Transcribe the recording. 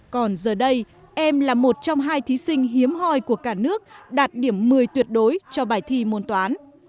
còn giờ đây em là một trong hai thí sinh hiếm hoi của cả nước đạt điểm một mươi tuyệt đối cho bài thi môn toán